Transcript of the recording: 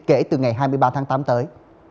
kể từ ngày hai mươi ba tháng tám tới